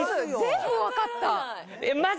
全部分かった。